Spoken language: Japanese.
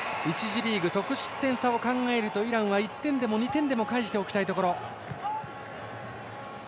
１次リーグ、得失点差を考えるとイランは１点でも２点でも返しておきたいところ。